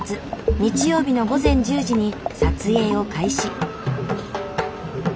日曜日の午前１０時に撮影を開始。